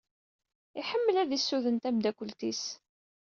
Iḥemmel ad isuden tamdakelt-is.